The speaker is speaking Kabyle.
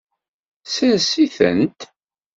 Sers-itent.